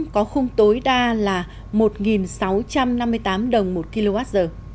có khung tối đa là một sáu trăm năm mươi tám đồng một kwh